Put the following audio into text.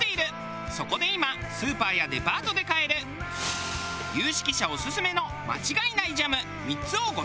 そこで今スーパーやデパートで買える有識者オススメの間違いないジャム３つをご紹介。